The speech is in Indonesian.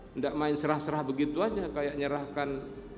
tidak main serah serah begitu aja kayak nyerahkan